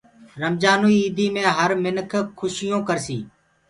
رمجآنٚوئي ايٚدي مي هر مِنک کوشيونٚ ڪرسي